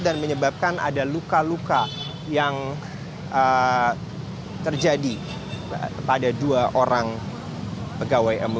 dan menyebabkan ada luka luka yang terjadi pada dua orang pegawai mui